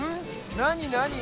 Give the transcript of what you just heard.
なになに？